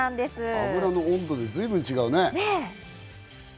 油の温度で随分違うね。